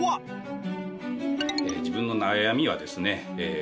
自分の悩みはですね